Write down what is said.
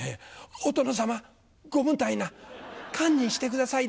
お殿様ご無体な堪忍してくださいな。